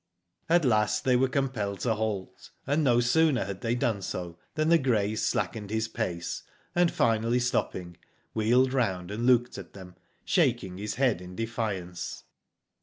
"At last they were compelled to halt, and no sooner had they done so, than the grey slackened his pace, and finally stopping, wheeled round and looked at them, shaking his head in defiance.